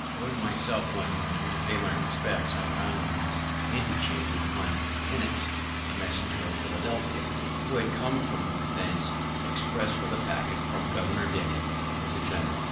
Going myself one morning to pay my respects, I found in his antechamber one Innis, a messenger of Philadelphia, who had come from thence express with a packet from Governor Denny for the general.